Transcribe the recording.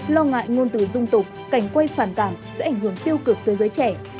lo ngại ngôn từ dung tục cảnh quay phản cảm sẽ ảnh hưởng tiêu cực tới giới trẻ